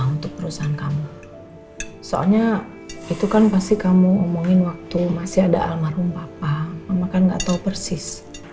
untuk perusahaan kamu soalnya itu kan pasti kamu omongin waktu masih ada almarhum papa mama kan nggak tahu persis